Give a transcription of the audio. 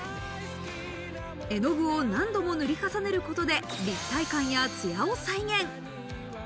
絵の具を何度も塗り重ねることで立体感や艶を再現。